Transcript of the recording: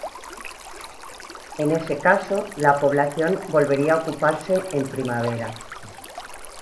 En ese caso, la población volvería a ocuparse en primavera.